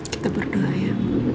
kita berdua ya